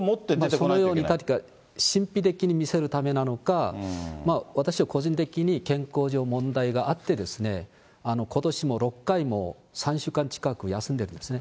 そのように神秘的に見せるためなのか、私は個人的に健康上問題があってですね、ことしも６回も３週間近く休んでるんですね。